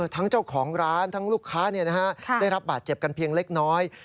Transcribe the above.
เจ้าของร้านทั้งลูกค้าได้รับบาดเจ็บกันเพียงเล็กน้อย